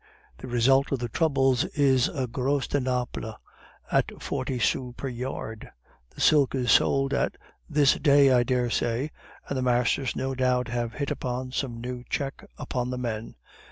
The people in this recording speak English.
The result of the troubles is a gros de Naples at forty sous per yard; the silk is sold at this day, I dare say, and the masters no doubt have hit upon some new check upon the men.